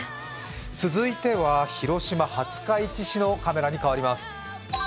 続いては、広島・廿日市市のカメラに変わります。